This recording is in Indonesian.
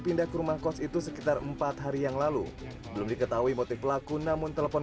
pindah ke rumah kos itu sekitar empat hari yang lalu belum diketahui motif pelaku namun telepon